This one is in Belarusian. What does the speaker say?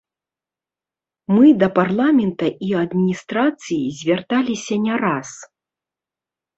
Мы да парламента і адміністрацыі звярталіся не раз.